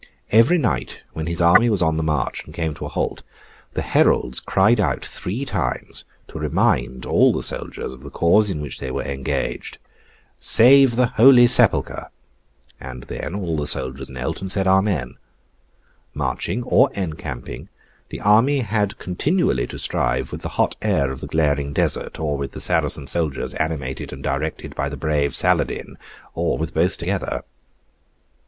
Every night when his army was on the march, and came to a halt, the heralds cried out three times, to remind all the soldiers of the cause in which they were engaged, 'Save the Holy Sepulchre!' and then all the soldiers knelt and said 'Amen!' Marching or encamping, the army had continually to strive with the hot air of the glaring desert, or with the Saracen soldiers animated and directed by the brave Saladin, or with both together.